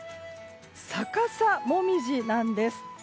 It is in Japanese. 逆さモミジなんです。